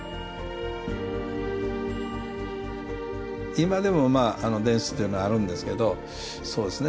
今でもまあ殿司というのはあるんですけどそうですね